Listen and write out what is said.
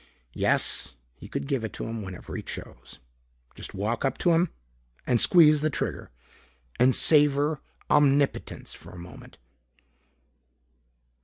Yes, he could give it to him whenever he chose. Just walk up to him and squeeze the trigger and savor omnipotence for a moment.